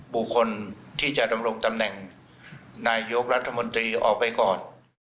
บุคคลที่จะดำรงตำแหน่งนายกรัฐมนตรีออกไปก่อน